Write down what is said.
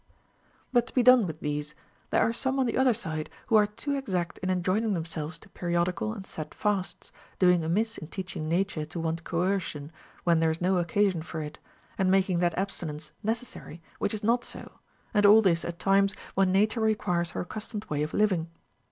23. But to be done with these, there are some on the other .side who are too exact in enjoining themselves to periodical and set fasts, doing amiss in teaching nature to want coercion Avhen tliere is no occasion for it, and mak ing that abstinence necessary which is not so, and all this at times when nature requires her accustomed way of liv ing.